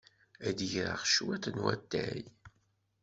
Ad d-geɣ cwiṭ n watay.